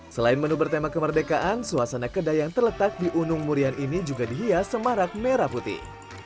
selain menu bertema kemerdekaan suasana kedai yang terletak di gunung murian ini juga dihias semarak merah putih